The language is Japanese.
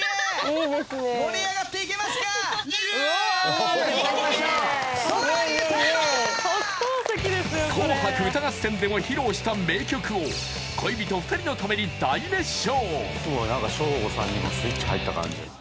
僕ようやく紅白歌合戦でも披露した名曲を恋人２人のために大熱唱